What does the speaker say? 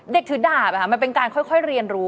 ถือดาบมันเป็นการค่อยเรียนรู้